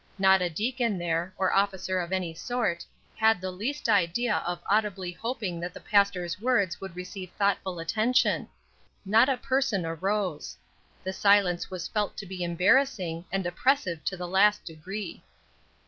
Not a deacon there, or officer of any sort, had the least idea of audibly hoping that the pastor's words would receive thoughtful attention; not a person arose; the silence was felt to be embarrassing and oppressive to the last degree.